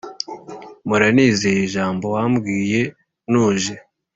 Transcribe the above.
Mpora nizeye ijambo wambwiye ntuje